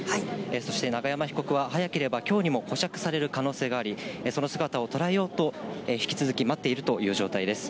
そして永山被告は早ければきょうにも保釈される可能性があり、その姿を捉えようと、引き続き待っているという状態です。